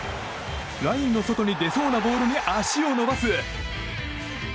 ラインの外に出そうなボールに足を伸ばす。